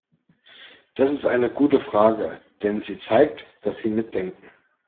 Das ist eine gute Frage, denn sie zeigt, dass Sie mitdenken.